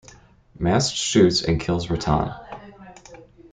Mast shoots and kills Ratan.